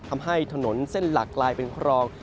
ทำให้ถนนเส้นหลักกลายเป็นคลอง